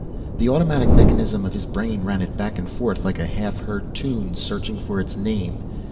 The automatic mechanism of his brain ran it back and forth like a half heard tune, searching for its name.